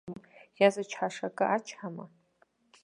Иазычҳаша акы ачҳама?